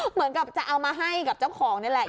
เหมือนกับจะเอามาให้กับเจ้าของนี่แหละ